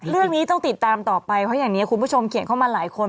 เรื่องนี้ต้องติดตามต่อไปเพราะอย่างนี้คุณผู้ชมเขียนเข้ามาหลายคน